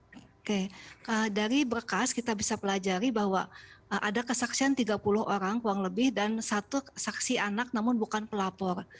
oke dari berkas kita bisa pelajari bahwa ada kesaksian tiga puluh orang kurang lebih dan satu saksi anak namun bukan pelapor